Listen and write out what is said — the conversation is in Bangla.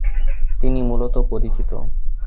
তিনি মূলত পরিচিত।